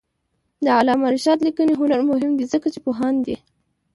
د علامه رشاد لیکنی هنر مهم دی ځکه چې پوهاند دی.